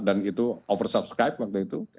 yang terkait itu oversubscribed waktu itu